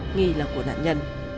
nghi là của nạn nhân